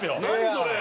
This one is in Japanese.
それ。